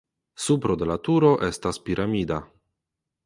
Supro de la turo estas piramida.